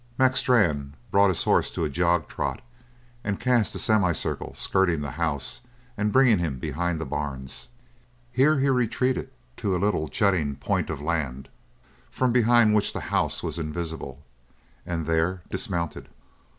Mac Strann brought his horse to a jog trot and cast a semi circle skirting the house and bringing him behind the barns. Here he retreated to a little jutting point of land from behind which the house was invisible, and there dismounted.